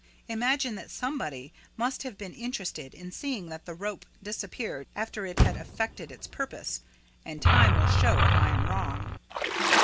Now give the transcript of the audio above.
imagine that SOMEBODY must have been interested in seeing that the rope disappeared after it had effected its purpose; and time will show if I am wrong.